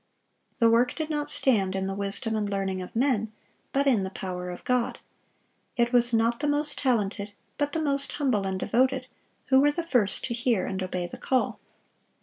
The work did not stand in the wisdom and learning of men, but in the power of God. It was not the most talented, but the most humble and devoted, who were the first to hear and obey the call.